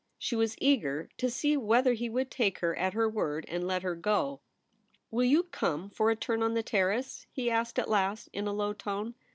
She was eager to see whether he would take her at her word and let her go. ' Will you come for a turn on the Terrace ?' he asked at last, in a low tone.